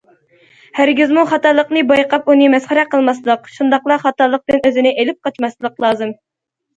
ھەرگىزمۇ خاتالىقنى بايقاپ ئۇنى مەسخىرە قىلماسلىق، شۇنداقلا خاتالىقتىن ئۆزىنى ئېلىپ قاچماسلىق لازىم.